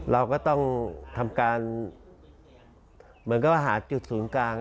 เราก็ต้องทำการเหมือนกับว่าหาจุดศูนย์กลาง